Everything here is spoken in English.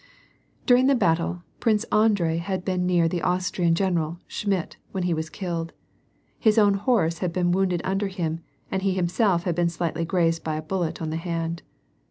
Dimng the battle, Prince Andrei had been near the Austrian general, Schmidt, when he was killed. His own horse had been wounded under him, and he himself had been slightly grazed by a bullet on the hand.